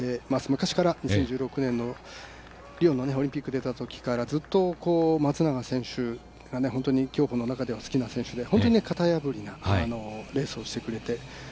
昔から２０１６年のリオのオリンピック出たときからずっと松永選手が、本当に競歩の中では好きな選手で型破りなレースをしてくれて。